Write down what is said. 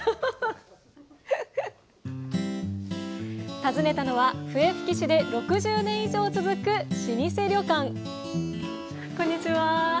訪ねたのは笛吹市で６０年以上続く老舗旅館こんにちは。